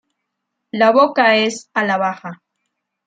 La boca es a la baja.